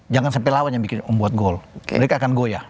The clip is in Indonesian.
jangan sampai lawannya bikin membuat gol mereka akan goya